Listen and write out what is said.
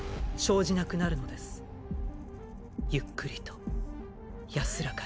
ゆっくりと安らかに。